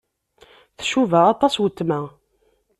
Tcuba aṭas weltma.